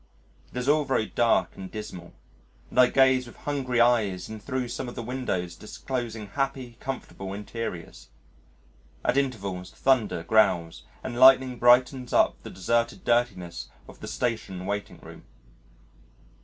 It is all very dark and dismal, and I gaze with hungry eyes in thro' some of the windows disclosing happy comfortable interiors. At intervals thunder growls and lightning brightens up the deserted dirtiness of the Station Waiting Room.